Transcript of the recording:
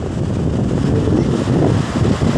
Miliblih.